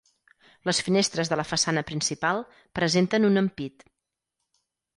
Les finestres de la façana principal presenten un ampit.